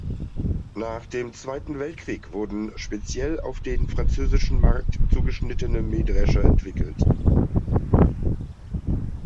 Nach dem Zweiten Weltkrieg wurden speziell auf den französischen Markt zugeschnittene Mähdrescher entwickelt.